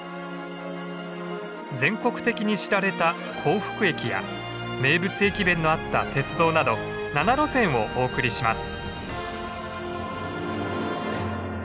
全国的に知られた幸福駅や名物駅弁のあった鉄道など７路線をお送りします。